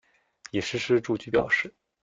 已实施住居表示。